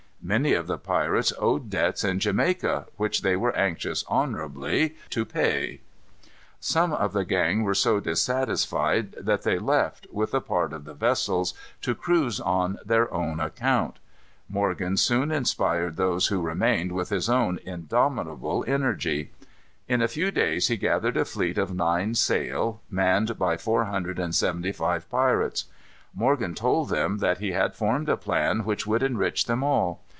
Many of the pirates owed debts in Jamaica, which they were anxious honorably to pay. Some of the gang were so dissatisfied that they left, with a part of the vessels, to cruise on their own account. Morgan soon inspired those who remained with his own indomitable energy. In a few days he gathered a fleet of nine sail, manned by four hundred and seventy five pirates. Morgan told them that he had formed a plan which would enrich them all.